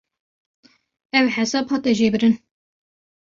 Ev hesab hate jêbirin.